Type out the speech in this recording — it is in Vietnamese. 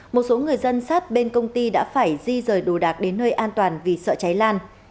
một số người dân sát bên công ty đã phải di rời đồ đạc đến nơi an toàn vì sợ cháy lan